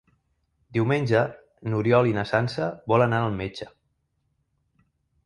Diumenge n'Oriol i na Sança volen anar al metge.